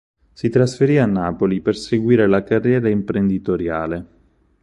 Si trasferì a Napoli per seguire la carriera imprenditoriale.